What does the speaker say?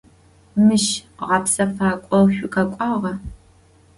Мыщ гъэпсэфакӏо шъукъэкӏуагъа?